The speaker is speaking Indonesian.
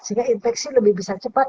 sehingga infeksi lebih bisa cepat